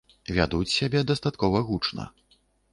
Вядуць сябе дастаткова гучна.